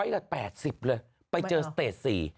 ๑๐๐ก็๘๐เลยไปเจอสเตท๔